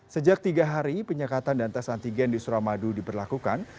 sejak tiga hari penyekatan dan tes antigen di suramadu diberlakukan